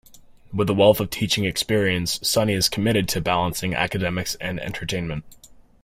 With a wealth of teaching experience, Sonny is committed to balancing academics and entertainment.